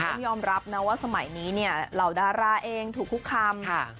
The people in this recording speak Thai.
ต้องยอมรับนะว่าสมัยนี้เนี่ยเหล่าดาราเองถูกคุกคำ